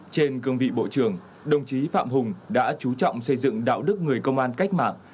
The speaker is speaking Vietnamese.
trên cương vị bộ trưởng đồng chí phạm hùng đã chú trọng xây dựng đạo đức người công an cách mạng